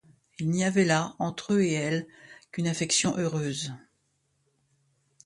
Il n'y avait là, entre eux et elle, qu'une affection heureuse.